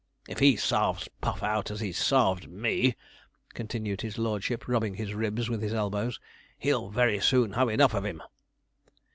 If he sarves Puff out as he's sarved me,' continued his lordship, rubbing his ribs with his elbows, 'he'll very soon have enough of him.'